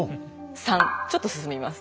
「三」ちょっと進みます。